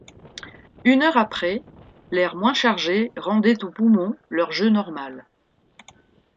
Une heure après, l’air moins chargé rendait aux poumons leur jeu normal.